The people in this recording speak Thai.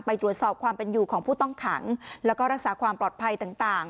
ไปตรวจสอบความเป็นอยู่ของผู้ต้องขังแล้วก็รักษาความปลอดภัยต่าง